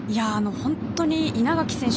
本当に稲垣選手